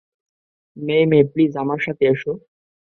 মেই-মেই, please, আমার সাথে এসো।